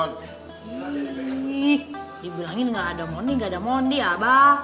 nih dibilangin gak ada moni gak ada moni ya abah